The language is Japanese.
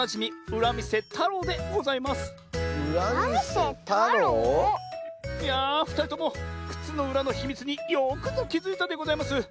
うらみせたろう？いやふたりともくつのうらのひみつによくぞきづいたでございます。